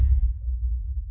gini bilek tadi belum ada bu